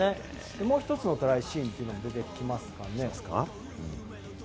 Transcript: もう１つのトライシーン出てきますか？